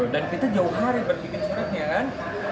dan kita jauh hari berbikin surat ya kan